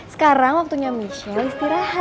sekarang waktunya michelle istirahat